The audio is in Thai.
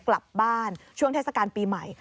กลับบ้านช่วงเทศกาลปีใหม่